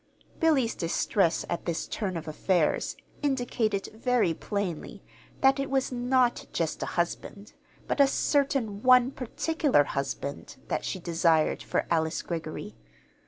Billy's distress at this turn of affairs indicated very plainly that it was not just a husband, but a certain one particular husband that she desired for Alice Greggory.